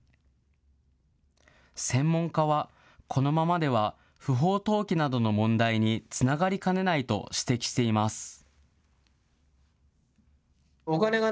専門家は、このままでは不法投棄などの問題につながりかねないと指摘しています。